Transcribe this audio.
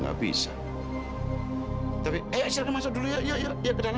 tapi setahu saya manajer motelnya tinggal di sana